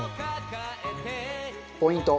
ポイント。